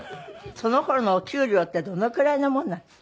その頃のお給料ってどのくらいなもんなんです？